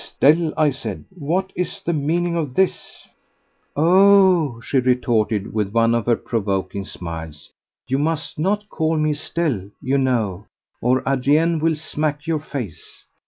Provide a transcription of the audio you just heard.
"Estelle," I said, "what is the meaning of this?" "Oh," she retorted with one of her provoking smiles, "you must not call me Estelle, you know, or Adrien will smack your face.